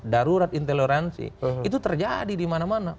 darurat intoleransi itu terjadi dimana mana